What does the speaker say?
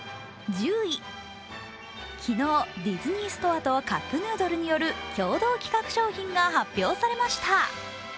昨日、ディズニーストアとカップヌードルによる共同企画商品が発表されました。